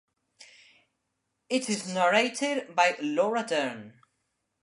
It is narrated by Laura Dern.